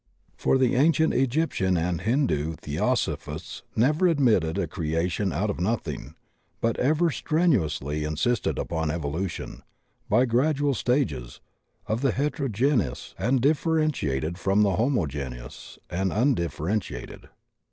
For tiie ancient Egyptian and Hindu Theosophists never admitted a creation out of nothing, but ever strenu ously insisted upon evolution, by gradual stages, of the heterogeneous and differentiated from the homo geneous and undifferentiated.